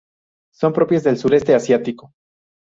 Son propias del Sureste Asiático.